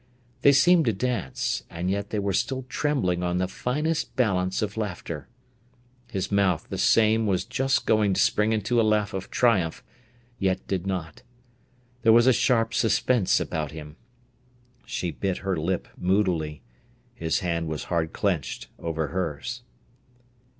They seemed to dance, and yet they were still trembling on the finest balance of laughter. His mouth the same was just going to spring into a laugh of triumph, yet did not. There was a sharp suspense about him. She bit her lip moodily. His hand was hard clenched over hers.